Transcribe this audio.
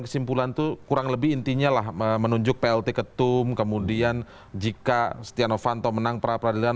kesimpulan tuh kurang lebih intinya lah menunjuk plt ketum kemudian jika stianovanto menang pra pradilan